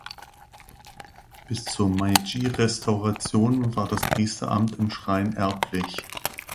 Bis zur Meiji-Restauration war das Priesteramt im Schrein erblich.